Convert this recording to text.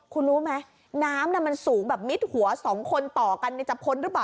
คุณรู้ไหมน้ำมันสูงแบบมิดหัว๒คนต่อกันจะพ้นหรือเปล่า